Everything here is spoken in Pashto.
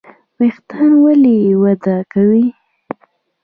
ویښتان ولې وده کوي؟